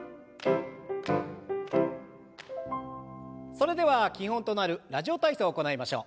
それでは基本となる「ラジオ体操」を行いましょう。